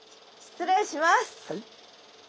失礼します。